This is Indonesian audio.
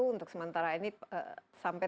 untuk sementara ini sampai